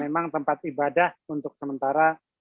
memang tempat ibadah untuk sementara